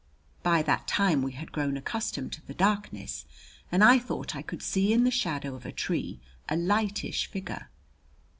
By that time we had grown accustomed to the darkness, and I thought I could see in the shadow of a tree a lightish figure.